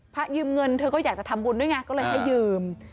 ยืมเงินเธอก็อยากจะทำบุญด้วยไงก็เลยให้ยืม